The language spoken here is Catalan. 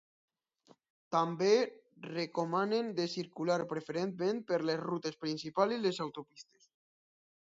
També recomanen de circular preferentment per les rutes principals i les autopistes.